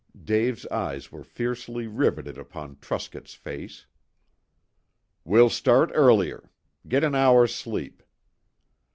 Dave's eyes were fiercely riveted upon Truscott's face. "We'll start earlier. Get an hour's sleep."